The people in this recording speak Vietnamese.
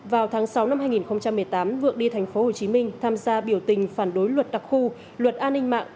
vào tháng sáu năm hai nghìn một mươi tám vượng đi thành phố hồ chí minh tham gia biểu tình phản đối luật đặc khu luật an ninh mạng